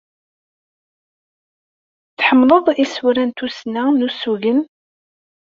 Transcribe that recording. Tḥemmleḍ isura n tussna n ussugen?